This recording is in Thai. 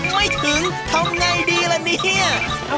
ไม่ถึงทำไงดีล่ะเนี่ย